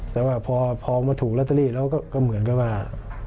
แต่ว่าพอมาถูกลอตเตอรี่แล้วก็เหมือนกับว่า